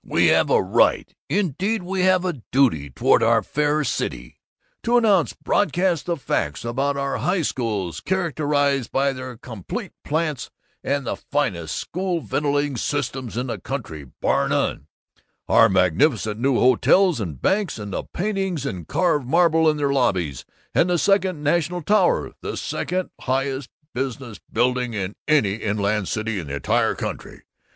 We have a right, indeed we have a duty toward our fair city, to announce broadcast the facts about our high schools, characterized by their complete plants and the finest school ventilating systems in the country, bar none; our magnificent new hotels and banks and the paintings and carved marble in their lobbies; and the Second National Tower, the second highest business building in any inland city in the entire country.